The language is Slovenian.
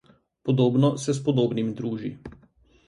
Podobno se s podobnim druži.